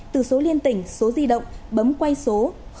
từ số liên tỉnh số di động bấm quay số hai trăm bốn mươi một nghìn hai mươi hai